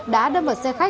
đã đâm vào xe bồn